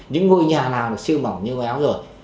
những ngôi nhà nào là siêu mỏng siêu méo rồi